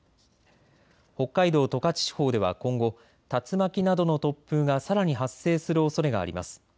北海道十勝地方では今後、竜巻などの突風がさらに発生するおそれがあります。